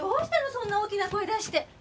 そんな大きな声出して。